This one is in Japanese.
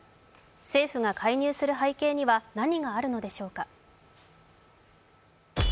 政府が介入する背景には何があるのでしょうか。